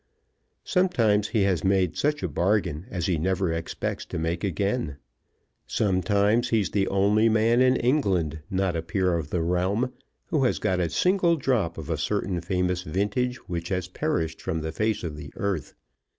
Sometimes he has made such a bargain as he never expects to make again. Sometimes he is the only man in England, not a peer of the realm, who has got a single drop of a certain famous vintage which has perished from the face of the earth.